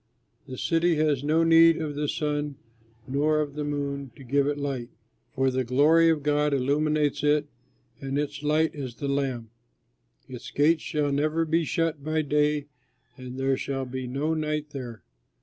The city has no need of the sun nor of the moon to give it light, for the glory of God illumines it and its light is the Lamb. Its gates shall never be shut by day and there shall be no night there.